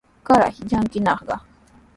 ¡Kayraq llakinayqa!